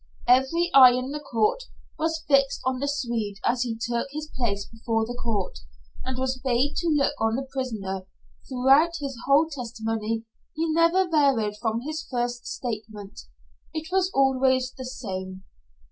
Every eye in the court room was fixed on the Swede as he took his place before the court and was bade to look on the prisoner. Throughout his whole testimony he never varied from his first statement. It was always the same.